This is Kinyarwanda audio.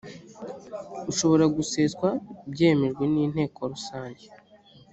ushobora guseswa byemejwe n’inteko rusange